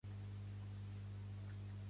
Pertany al moviment independentista l'Erhard?